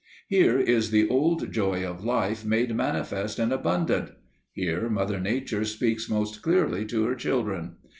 Here is the old joy of life made manifest and abundant; here Mother Nature speaks most clearly to her children.